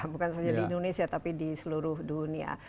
bukan saja di indonesia tapi di seluruh dunia